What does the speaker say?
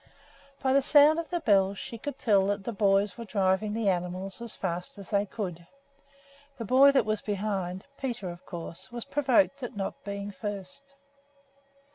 By the sound of the bells she could tell that the boys were driving the animals as fast as they could. The boy that was behind Peter, of course was provoked at not being first.